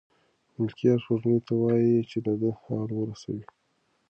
ملکیار سپوږمۍ ته وايي چې د ده حال ورسوي.